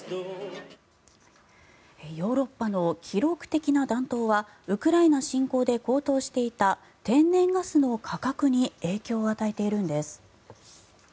ヨーロッパの記録的な暖冬はウクライナ侵攻で高騰していた天然ガスの価格に影響を与えているんです。